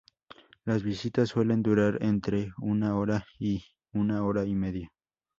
Las visitas suelen durar entre una hora y una hora y media.